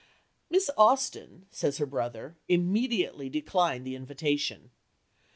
"Miss Austen," says her brother, "immediately declined the invitation.